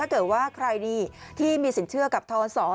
เกิดว่าใครดีที่มีสินเชื่อกับทศ